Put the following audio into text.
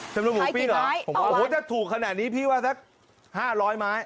จำนวนหมูปิ้งเหรอโอ้โหถ้าถูกขนาดนี้พี่ว่าสัก๕๐๐ไม้